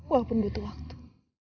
walaupun butuh waktu